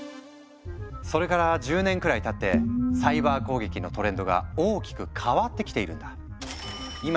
それから１０年くらいたってサイバー攻撃のトレンドが大きく変わってきているんだ。